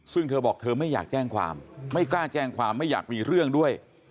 ซึ่งเธอบอกเธอไม่อยากแจ้งความไม่กล้าแจ้งความไม่อยากมีเรื่องด้วย